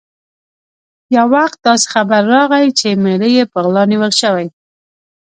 یو وخت داسې خبر راغی چې مېړه یې په غلا نیول شوی.